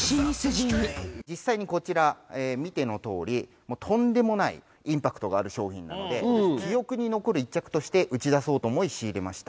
実際にこちら見てのとおりとんでもないインパクトがある商品なので記憶に残る一着として打ち出そうと思い仕入れました。